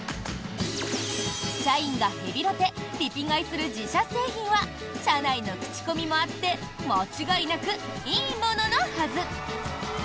社員がヘビロテ・リピ買いする自社製品は社内の口コミもあって間違いなく、いいもののはず。